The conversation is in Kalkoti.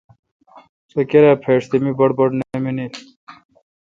سو کرا پیݭ تہ می بڑبڑ نہ منیل۔